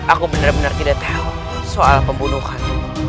aku benar benar tidak tahu soal pembunuhan